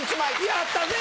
やったぜ！